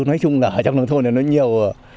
nói chung là ở trong nông thôn này nó nhiều